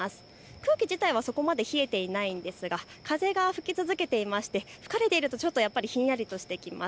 空気自体はそこまで冷えていないんですが風が吹き続けていまして吹かれているとひんやりとしてきます。